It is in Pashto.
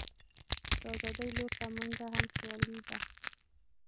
د آزادۍ لور ته منډه هم خیالي ده.